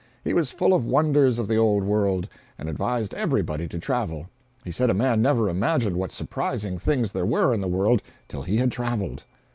He was full of wonders of the old world, and advised everybody to travel. He said a man never imagined what surprising things there were in the world till he had traveled.